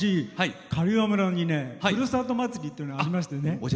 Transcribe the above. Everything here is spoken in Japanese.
刈羽村に、ふるさと祭りっていうのがあってね